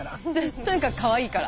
とにかくかわいいから。